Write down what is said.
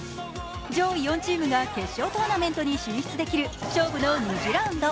上位４チームが決勝トーナメントに進出できる勝負の２次ラウンド。